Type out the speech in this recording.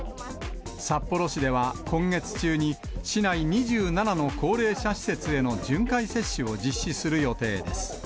札幌市では今月中に、市内２７の高齢者施設への巡回接種を実施する予定です。